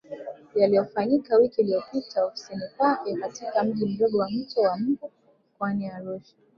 Yaliyofanyika wiki iliyopita ofisini kwake katika Mji mdogo wa Mto wa Mbu mkoani Arusha